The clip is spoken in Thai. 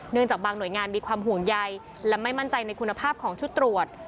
จากบางหน่วยงานมีความห่วงใยและไม่มั่นใจในคุณภาพของชุดตรวจ